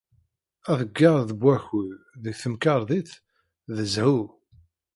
Aḍeyyeɛ n wakud deg temkarḍit d zzhu.